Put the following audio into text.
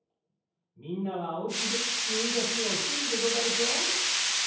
みんなはおうちでにんじゃしゅぎょうしてるでござるか？